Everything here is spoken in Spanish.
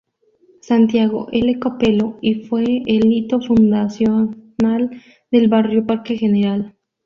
Santiago L. Copello y fue el hito fundacional del Barrio Parque Gral.